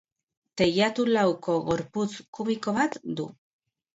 Teilatu lauko gorputz kubiko bat du.